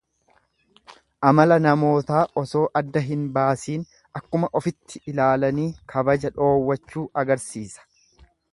Amala namootaa osoo adda hin baasiin akkuma ofitti ilaalanii kabaja dhoowwachuu agarsiisa.